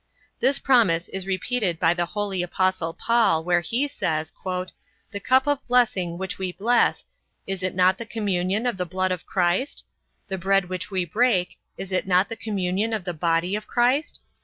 This promise is repeated by the holy apostle Paul, where he says "The cup of blessing which we bless, is it not the communion of the blood of Christ? The bread which we break, is it not the communion of the body of Christ?